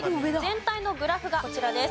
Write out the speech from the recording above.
全体のグラフがこちらです。